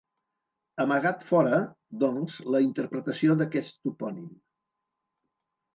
Amagat fóra, doncs, la interpretació d'aquest topònim.